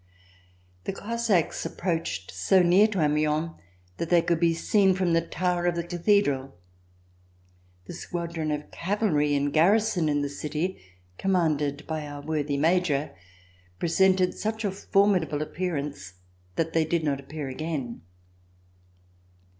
The Cossacks approached so near to Amiens that they could be seen from the tower of the Cathedral. The squadron of cavalry in garrison in the city, commanded by our worthy Major, presented such a formidable appearance that they did not appear again.